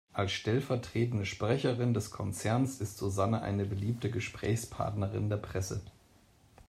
Als stellvertretende Sprecherin des Konzerns ist Susanne eine beliebte Gesprächspartnerin der Presse.